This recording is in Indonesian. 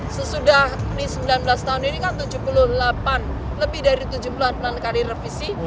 sesudah sembilan belas tahun ini kan tujuh puluh delapan lebih dari tujuh puluh an kali revisi